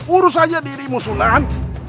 urus saja dirimu sunan